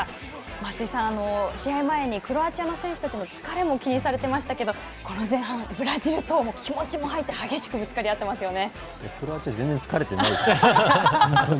松井さん、試合前にクロアチアの選手たちの疲れも気にされていましたけどこの前半ブラジルの気持ちも入って激しくぶつかり合ってますよね。